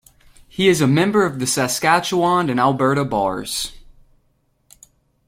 He is a member of the Saskatchewan and Alberta Bars.